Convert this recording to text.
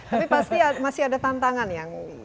tapi pasti masih ada tantangan yang